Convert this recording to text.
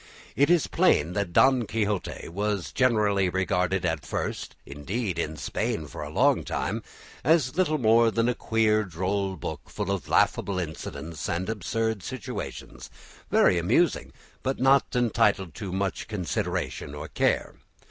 It is plain that "Don Quixote" was generally regarded at first, and indeed in Spain for a long time, as little more than a queer droll book, full of laughable incidents and absurd situations, very amusing, but not entitled to much consideration or care.